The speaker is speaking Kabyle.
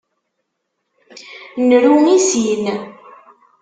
Nru i sin.